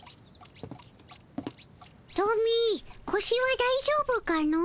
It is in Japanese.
トミーこしはだいじょうぶかの？